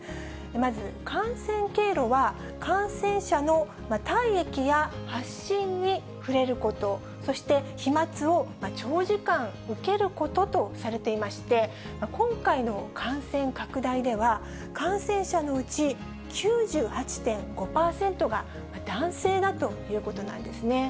まず感染経路は、感染者の体液や発疹に触れること、そして飛まつを長時間受けることとされていまして、今回の感染拡大では、感染者のうち９８．５％が男性だということなんですね。